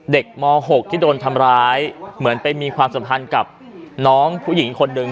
ม๖ที่โดนทำร้ายเหมือนไปมีความสัมพันธ์กับน้องผู้หญิงอีกคนนึง